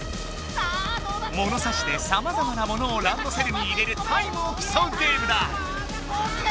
ものさしでさまざまなものをランドセルに入れるタイムをきそうゲームだ。